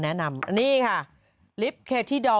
ฟังมดดำอีกแล้วว่ะ